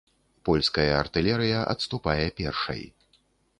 Польская артылерыя адступае першай.